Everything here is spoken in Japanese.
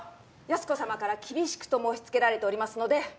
八寿子さまから厳しくと申し付けられておりますので。